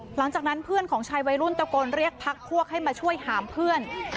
หลังจากนั้นเพื่อนของชายวัยรุ่นตะโกนเรียกพักพวกให้มาช่วยหามเพื่อน